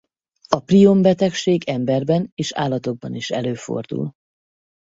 A prion betegség emberben és állatokban is előfordul.